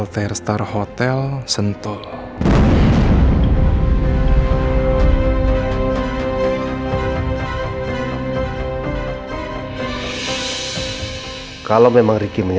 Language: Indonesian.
serta cuma satu orang baru bisa mati